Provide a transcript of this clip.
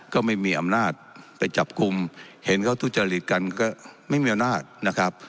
ก็ไม่มีอำนาจไปจับกลุ่มเห็นเขาทุจริตกันก็ไม่มีอำนาจนะครับ